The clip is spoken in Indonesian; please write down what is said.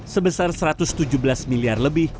sebesar satu ratus tujuh belas miliar lebih